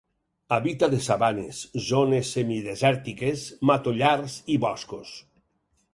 Habita les sabanes, zones semidesèrtiques, matollars i boscos.